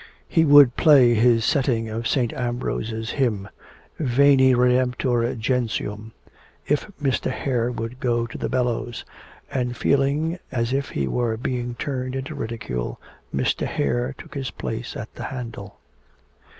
He would play his setting of St. Ambrose's hymn, 'Veni redemptor gentium,' if Mr. Hare would go to the bellows; and feeling as if he were being turned into ridicule, Mr. Hare took his place at the handle.